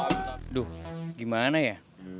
aduh gimana ya